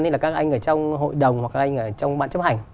nên là các anh ở trong hội đồng hoặc các anh ở trong mạng chấp hành